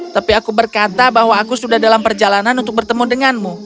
tapi aku berkata bahwa aku sudah dalam perjalanan untuk bertemu denganmu